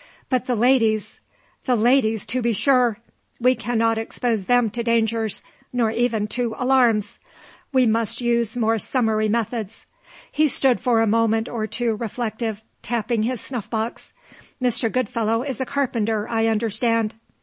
But the ladies the ladies, to be sure! We cannot expose them to dangers, nor even to alarms. We must use more summary methods." He stood for a moment or two reflective, tapping his snuff box. "Mr. Goodfellow is a carpenter, I understand."